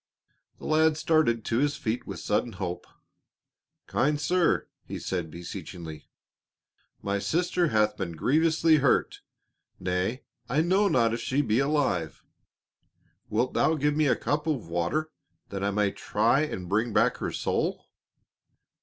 The lad started to his feet with sudden hope. "Kind sir!" he said beseechingly. "My sister hath been grievously hurt; nay, I know not if she be alive. Wilt thou give me a cup of water that I may try and bring back her soul?"